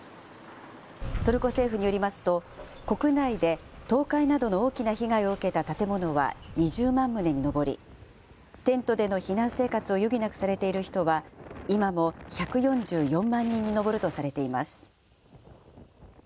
トルコ政府によりますと、国内で倒壊などの大きな被害を受けた建物は２０万棟に上り、テントでの避難生活を余儀なくされている人は、今も１４４万人に上るとされています。